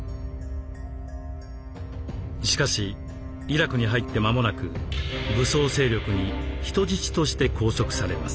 しかしイラクに入って間もなく武装勢力に人質として拘束されます。